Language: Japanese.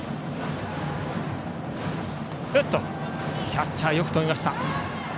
キャッチャーよく止めました。